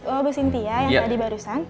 oh bu sintia yang tadi barusan